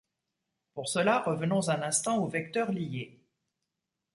Pour cela, revenons un instant aux vecteurs liés.